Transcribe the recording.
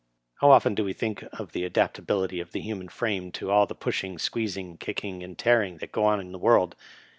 How seldom do we think of the adaptability of the human frame to all the pushing, squeezing, kicking, and fearing that go on in the world.